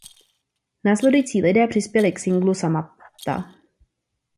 Následující lidé přispěli k singlu "Samantha"